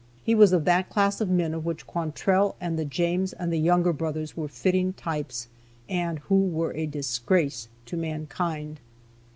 He was of that class of men of which Quantrell and the James and the Younger boys were fitting types, and who were a disgrace to mankind.